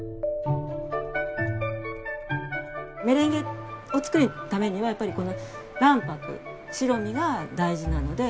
メレンゲを作るためにはやっぱりこの卵白白身が大事なので。